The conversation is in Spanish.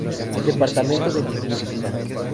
Departamento de lingüística.